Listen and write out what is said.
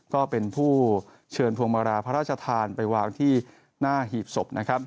ก็เป็นผู้เชิญพวงมาราพระราชทานไปวางที่หน้าหีบศพนะครับ